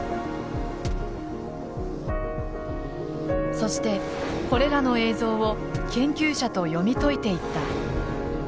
そしてこれらの映像を研究者と読み解いていった。